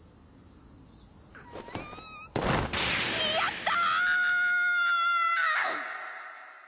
やった！！